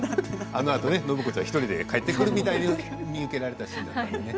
あのあと暢子ちゃんが１人で帰ってくるみたいに見受けられたシーンでね。